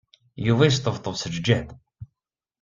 Yuba yesṭebṭeb s ljehd.